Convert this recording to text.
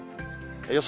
予想